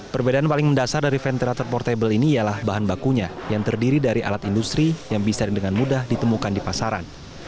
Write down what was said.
perbedaan paling mendasar dari ventilator portable ini ialah bahan bakunya yang terdiri dari alat industri yang bisa dengan mudah ditemukan di pasaran